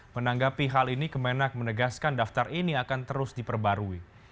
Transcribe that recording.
menanggapi hal ini kemenak menegaskan daftar ini akan terus diperbarui